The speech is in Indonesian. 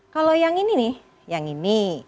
kalau yang ini nih yang ini